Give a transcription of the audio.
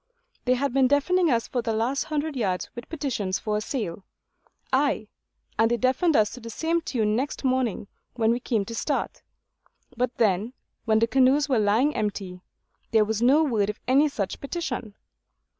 They had been deafening us for the last hundred yards with petitions for a sail; ay, and they deafened us to the same tune next morning when we came to start; but then, when the canoes were lying empty, there was no word of any such petition.